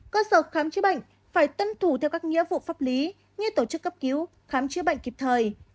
cơ sở khám chữa bệnh phải tuân thủ theo các nghĩa vụ pháp lý như tổ chức cấp cứu khám chữa bệnh kịp thời